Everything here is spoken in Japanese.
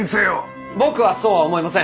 僕はそうは思いません。